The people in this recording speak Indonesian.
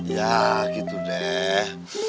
ya gitu deh